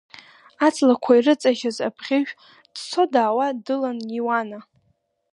Аҵлақәа ирыҵажьыз абӷьыжә дцо-даауа дылан Иуана.